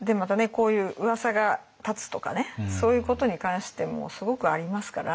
こういううわさが立つとかねそういうことに関してもすごくありますから。